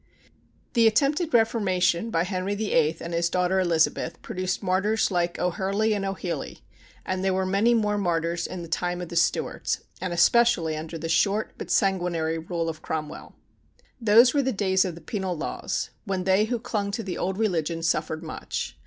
The attempted reformation by Henry VIII and his daughter Elizabeth produced martyrs like O'Hurley and O'Hely; and there were many more martyrs in the time of the Stuarts, and especially under the short but sanguinary rule of Cromwell. Those were the days of the penal laws, when they who clung to the old religion suffered much.